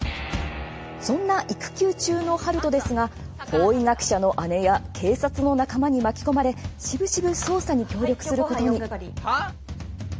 そんな育休中の春風ですが法医学者の姉や警察の仲間に巻き込まれしぶしぶ捜査に協力することに。